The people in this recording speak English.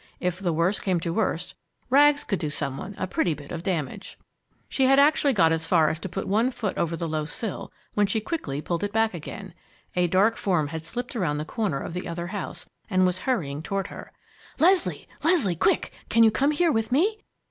If the worst came to worst, Rags could do some one a pretty bit of damage! She had actually got as far as to put one foot over the low sill, when she quickly pulled it back again. A dark form had slipped around the corner of the other house and was hurrying toward her. "Leslie! Leslie! Quick! can you come here with me?"